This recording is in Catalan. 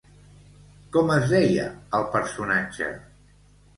Com es deia el personatge?